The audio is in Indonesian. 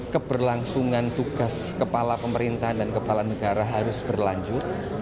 keberlangsungan tugas kepala pemerintahan dan kepala negara harus berlanjut